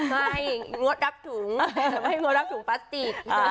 ไม่รวดรับถุงแต่ไม่รวดรับถุงพลาสติก